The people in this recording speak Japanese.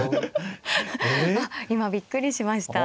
あっ今びっくりしました。